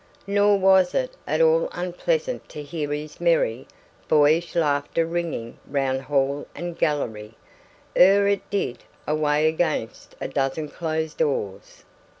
Nor was it at all unpleasant to hear his merry, boyish laughter ringing round hall and gallery, ere it died away against a dozen closed doors.